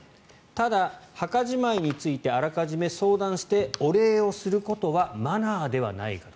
ただ、墓じまいについてあらかじめ相談してお礼をすることはマナーではないかと。